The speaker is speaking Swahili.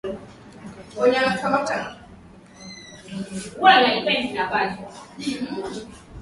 akato kumpata spika wa mbunge hilo ambalo limebeba idadi kubwa ya wabunge